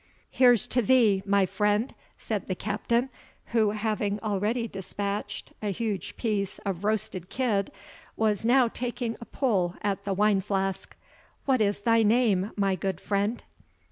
"Here's to thee, my friend," said the Captain, who, having already dispatched a huge piece of roasted kid, was now taking a pull at the wine flask. "What is thy name, my good friend?"